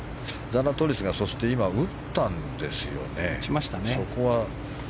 ザラトリスが今、打ったんですよね。